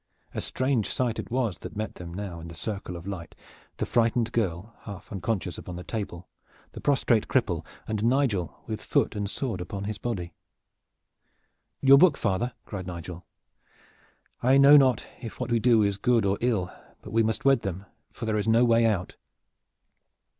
A strange sight it was that met them now in the circle of light, the frightened girl, half unconscious against the table, the prostrate cripple, and Nigel with foot and sword upon his body. "Your book, father!" cried Nigel. "I know not if what we do is good or ill; but we must wed them, for there is no way out."